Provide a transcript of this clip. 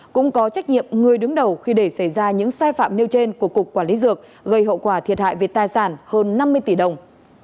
cũng có trách nhiệm người đứng đầu khi để xảy ra những sai phạm nêu trên của cục quản lý dược gây hậu quả thiệt hại về tài sản hơn năm mươi tỷ đồng